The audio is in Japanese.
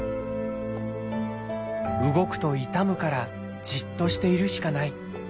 「動くと痛むからじっとしているしかない」。